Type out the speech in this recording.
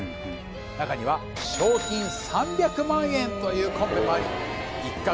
中には賞金３００万円というコンペもあり一獲